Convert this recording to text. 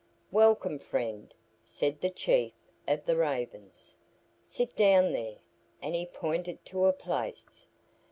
"Welcome, friend," said the chief of the Ravens; "sit down there," and he pointed to a place.